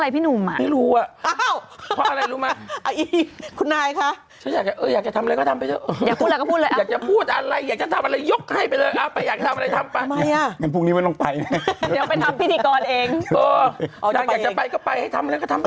ถ้าอยากจะไปก็ไปทำอะไรก็ทำ